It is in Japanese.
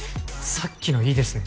さっきのいいですね。